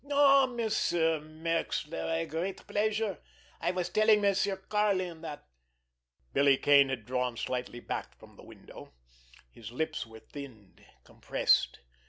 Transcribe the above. "Ah, Monsieur Merxler—a great pleasure! I was telling Monsieur Karlin that——" Billy Kane had drawn slightly back from the window. His lips were thinned, compressed.